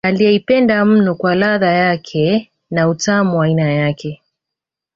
Aliyeipenda mno kwa ladha yake na utamu wa aina yake